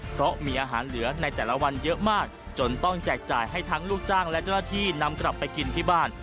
เพราะมีอาหารเหลือในแต่ละวันเยอะมากจนต้องแจกจ่ายให้ทั้งลูกจ้างและเจ้าหน้าที่นำกลับไปกินที่บ้าน